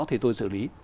thì tôi xử lý